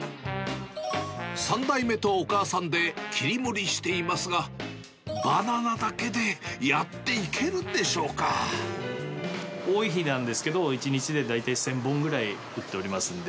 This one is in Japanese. ３代目とお母さんで切り盛りしていますが、バナナだけでやってい多い日なんですけど、１日で大体１０００本ぐらい売っておりますんで。